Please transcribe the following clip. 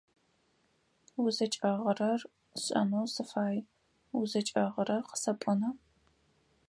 УзыкӀэгъырэр сшӀэнэу сыфай УзыкӀэгъырэр къысэпӀона?